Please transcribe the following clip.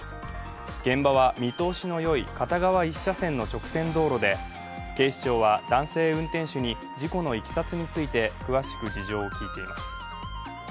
現場は見通しの良い片側１車線の直線道路で、警視庁は男性運転手に事故のいきさつについて詳しく事情を聴いています。